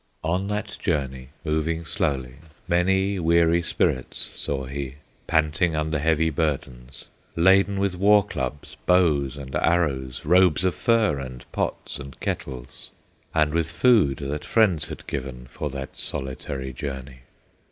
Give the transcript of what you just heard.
On that journey, moving slowly, Many weary spirits saw he, Panting under heavy burdens, Laden with war clubs, bows and arrows, Robes of fur, and pots and kettles, And with food that friends had given For that solitary journey.